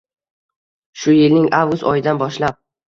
Shu yilning avgust oyidan boshlab